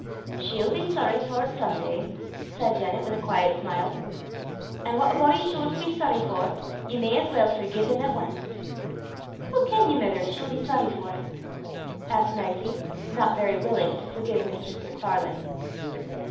"She'll be soary for 't some day," said Janet, with a quiet smile; "an' what a body's sure to be soary for, ye may as weel forgie them at ance." "Hoo ken ye, mither, she'll be soary for 't?" asked Nicie, not very willing to forgive Mistress MacFarlane.